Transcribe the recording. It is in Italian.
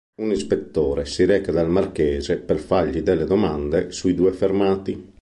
Un ispettore si reca dal marchese per fargli delle domande sui due fermati.